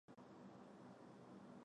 赞岐津田站的铁路车站。